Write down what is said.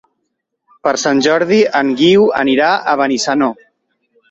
Per Sant Jordi en Guiu anirà a Benissanó.